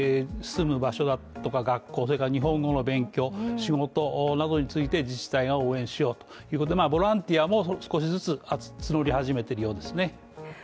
住む場所や学校、日本語の勉強、仕事などについて自治体が応援しようということでボランティアも少しずつ募り始めているようですね。